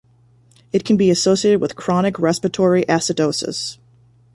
It can be associated with chronic respiratory acidosis.